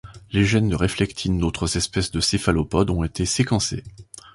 Les gènes de réflectines d’autres espèces de céphalopodes ont été séquencés.